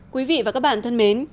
quý vị và các bạn thân mến